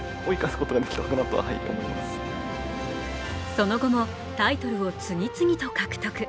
その後もタイトルを次々と獲得。